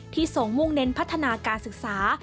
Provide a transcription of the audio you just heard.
ทรงมุ่งเน้นพัฒนาการศึกษา